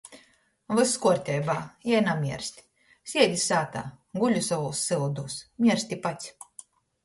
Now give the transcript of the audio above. Vyss kuorteibā. Jei namierst. Siedi sātā. Guli sovūs syudūs. Miersti pats.